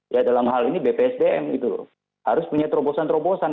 ya dalam hal ini bpsdm gitu loh harus punya terobosan terobosan